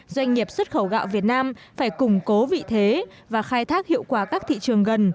doanh nghiệp xuất khẩu gạo việt nam phải củng cố vị thế và khai thác hiệu quả các thị trường gần